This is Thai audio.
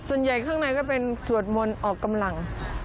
ส่วนใหญ่ข้างในก็เป็นสวดมนต์ออกกำลัง